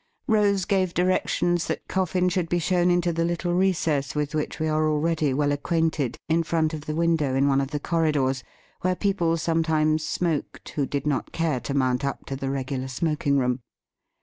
Rose gave directions that Coffin should be shown into the little recess with which we are already well acquainted, in front of the window in one of the corridors, where people sometimes smoked who did not care to mount up to the regular smoking room.